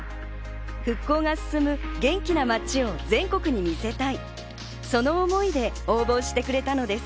復興が進む元気な街を全国に見せたい、その思いで応募してくれたのです。